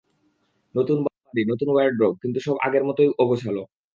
নতুন বাড়ি, নতুন ওয়্যারড্রোব, কিন্তু সব আগের মতই অগোছালো।